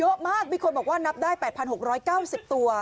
เยอะมากมีคนบอกว่านับได้๘๖๙๐ตัว